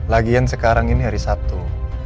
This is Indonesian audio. lagian sekarang ini hari sabtu